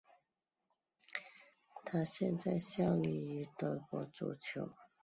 他现在效力于德国足球丙级联赛球队斯图加特踢球者。